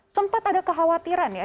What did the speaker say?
sempat ada kekhawatiran ya